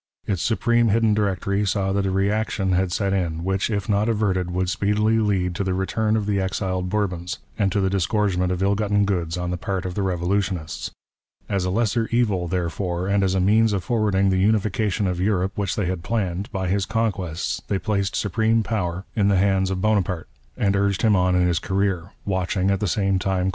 Its supreme hidden directory saAV that a re action had set in, which, if not averted, would speedily lead to the return of the exiled Bourbons, and to the disgorgement of ill gotten goods on the part of the revolutionists. As a lesser evil, therefore, and as a means of forwarding the unification of Europe which they had planned, by his conquests, they placed supreme power in the ^ Alexander Dumas in his Memoires de Garibaldi, first series, p.